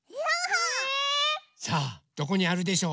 え⁉さあどこにあるでしょう？